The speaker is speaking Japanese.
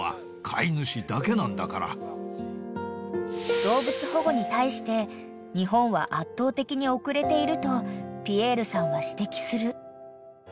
［動物保護に対して日本は圧倒的に遅れているとピエールさんは指摘する］